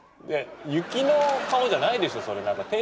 雪の顔じゃないでしょそれなんか。